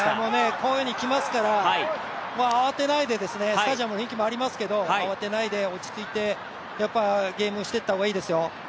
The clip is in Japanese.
こういうふうにきますから、スタジアムの雰囲気もありますけれども、慌てないで落ち着いて、ゲームしていった方がいいですよ。